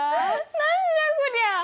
何じゃこりゃ。